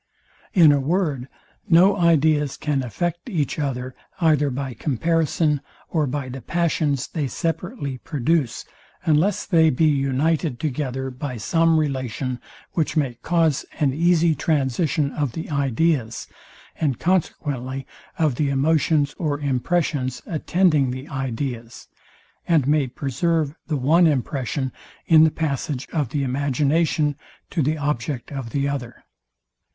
In a word, no ideas can affect each other, either by comparison, or by the passions they separately produce, unless they be united together by some relation, which may cause an easy transition of the ideas, and consequently of the emotions or impressions, attending the ideas; and may preserve the one impression in the passage of the imagination to the object of the other.